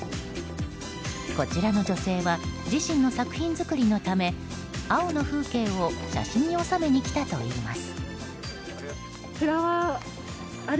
こちらの女性は自身の作品作りのため青の風景を写真に収めに来たといいます。